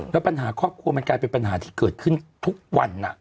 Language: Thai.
แล้วปัญหาครอบครัวมันกลายเป็นปัญหาที่เกิดขึ้นทุกวัน